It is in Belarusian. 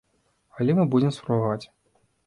Але мы будзем спрабаваць.